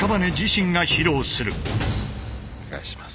お願いします。